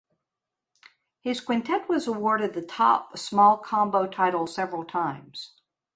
His quintet was awarded the top small combo title several times.